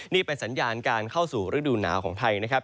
นี่เป็นสัญญาณการเข้าสู่ฤดูหนาวของไทยนะครับ